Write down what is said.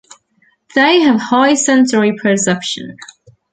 They have high sensory perception.